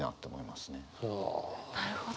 なるほど。